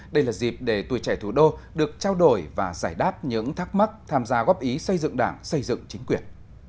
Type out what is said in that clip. đây là dịp để tuổi trẻ thủ đô được trao đổi và giải đáp những thắc mắc tham gia góp ý xây dựng đảng xây dựng chính quyền